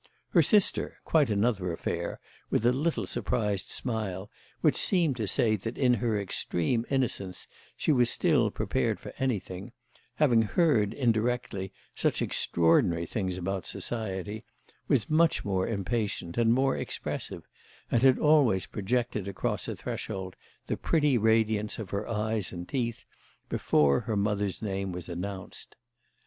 Her sister, quite another affair, with a little surprised smile which seemed to say that in her extreme innocence she was still prepared for anything, having heard, indirectly, such extraordinary things about society, was much more impatient and more expressive, and had always projected across a threshold the pretty radiance of her eyes and teeth before her mother's name was announced.